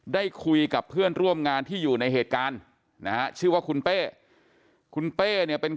ได้คุยกับเพื่อนร่วมงานที่อยู่ในเหตุการณ์นะฮะชื่อว่าคุณเป้